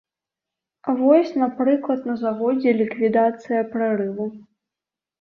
Вось, напрыклад, на заводзе ліквідацыя прарыву.